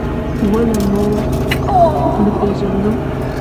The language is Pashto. ولې و مو نه پېژندم؟